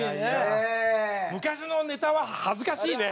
昔のネタは恥ずかしいね。